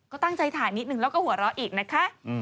ก็ตั้งใจถ่ายนิดนึงแล้วก็หัวเราะอีกนะคะ